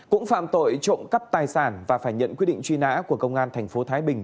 cũng phạm tội trộm cắp tài sản và phải nhận quyết định truy nã của công an tp thái bình